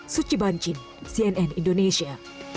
suci bancin cnn indonesia